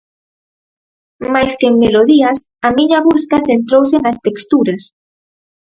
Máis que en melodías, a miña busca centrouse nas texturas.